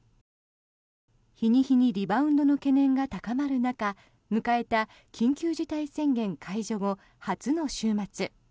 日に日にリバウンドの懸念が高まる中迎えた緊急事態宣言解除後初の週末。